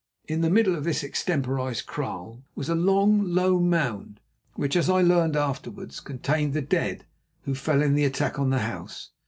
In the middle of this extemporised kraal was a long, low mound, which, as I learned afterwards, contained the dead who fell in the attack on the house.